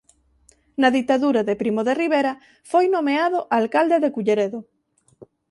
Na ditadura de Primo de Rivera foi nomeado alcalde de Culleredo.